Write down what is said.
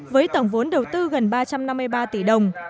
với tổng vốn đầu tư gần ba trăm năm mươi ba